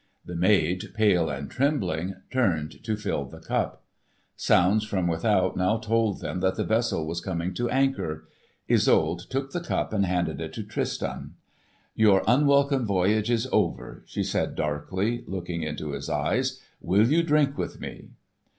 The maid, pale and trembling, turned to fill the cup. Sounds from without now told them that the vessel was coming to anchor. Isolde took the cup and handed it to Tristan. "Your unwelcome voyage is over," she said darkly, looking into his eyes, "will you drink with me?"